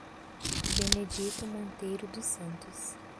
Benedito Monteiro dos Santos